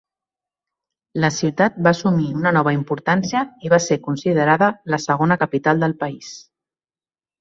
La ciutat va assumir una nova importància i va ser considerada la segona capital del país.